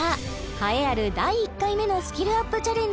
栄えある第１回目のスキルアップチャレンジ